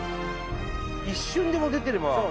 一瞬でも出てれば。